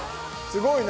すごい。